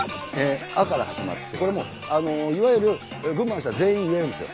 「あ」から始まってこれいわゆる群馬の人は全員言えるんですよ。